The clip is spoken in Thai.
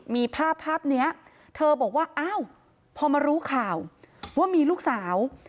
มีภาพภาพนี้เธอบอกว่าอ้าวพอมารู้ข่าวว่ามีลูกสาว